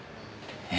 え？